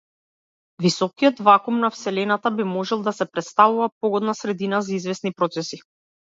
Високиот вакуум на вселената би можел да претставува погодна средина за извесни процеси.